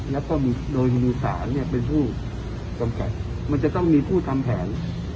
แล้วพ่อโดยฮินูศาลเนี้ยเป็นผู้มันจะต้องมีผู้ทำแผน